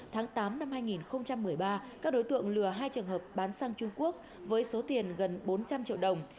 tháng tám năm hai nghìn một mươi ba các đối tượng lừa hai trường hợp bán sang trung quốc với số tiền gần bốn trăm linh triệu đồng